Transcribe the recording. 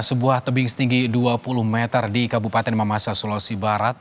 sebuah tebing setinggi dua puluh meter di kabupaten mamasa sulawesi barat